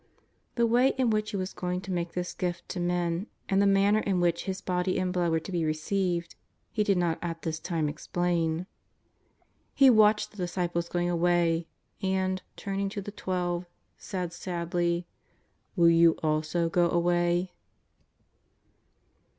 The way in which He was going to make this Gift to men and the manner in which His Body and Blood were to be received, He did not at this time explain. He watched the disciples going away, and, turning to the Twelve, said sadly: " Will you also go away